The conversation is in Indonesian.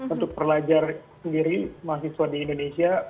untuk pelajar sendiri mahasiswa di indonesia